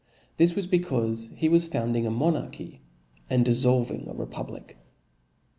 This was becaufe he was founding a monarchy, and diflblving a republic.